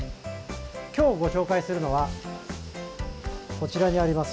今日ご紹介するのはこちらにあります